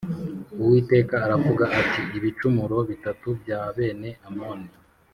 Uwiteka aravuga ati “Ibicumuro bitatu bya bene Amoni